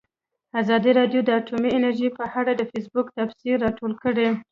ازادي راډیو د اټومي انرژي په اړه د فیسبوک تبصرې راټولې کړي.